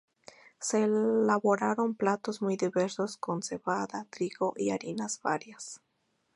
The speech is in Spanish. Se elaboraban platos muy diversos con cebada, trigo y harinas varias.